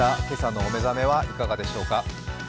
今朝のおめざめはいかがでしょうか。